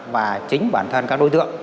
và chính bản thân các đối tượng